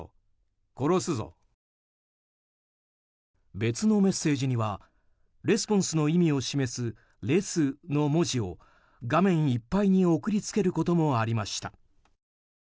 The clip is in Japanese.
別のメッセージにはレスポンスの意味を示す「レス」の文字を画面いっぱいに送りつけることもありました。